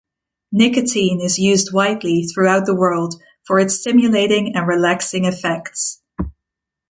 Nicotine is used widely throughout the world for its stimulating and relaxing effects.